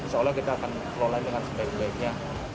seolah kita akan melolain dengan sebaik baiknya